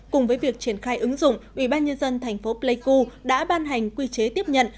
cùng với việc triển khai ứng dụng ubnd tp pleiku đã ban hành quy chế tiếp nhận